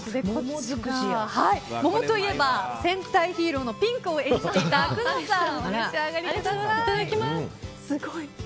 桃といえば、戦隊ヒーローのピンクを演じていた工藤さん